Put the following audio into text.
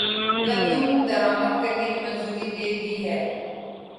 گندم درآمدکرنے کی منظوری دےدی ہے